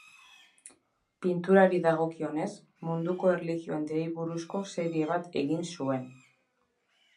Pinturari dagokionez, munduko erlijio handiei buruzko serie bat egin zuen.